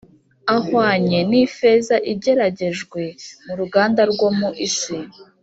Ahwanye n ifeza igeragejwe mu ruganda rwo mu isi